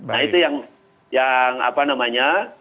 nah itu yang apa namanya